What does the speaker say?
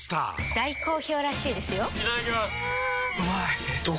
大好評らしいですよんうまい！